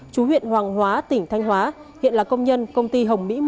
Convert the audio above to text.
chú huyện hoàng hóa tỉnh thanh hóa hiện là công nhân công ty hồng mỹ một